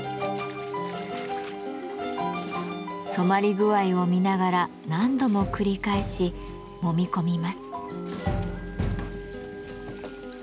染まり具合を見ながら何度も繰り返しもみ込みます。